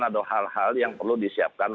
ada hal hal yang perlu disiapkan